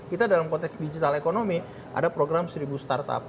kita dalam konteks digital ekonomi ada program seribu startup